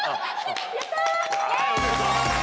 やった！